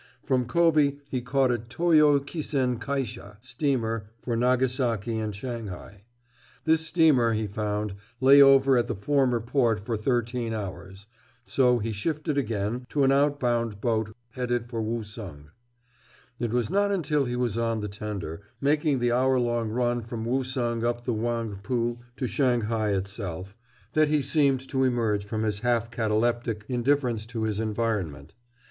From Kobe he caught a Toyo Kisen Kaisha steamer for Nagasaki and Shanghai. This steamer, he found, lay over at the former port for thirteen hours, so he shifted again to an outbound boat headed for Woosung. It was not until he was on the tender, making the hour long run from Woosung up the Whangpoo to Shanghai itself, that he seemed to emerge from his half cataleptic indifference to his environment.